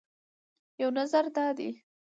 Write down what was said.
یو نظر دا دی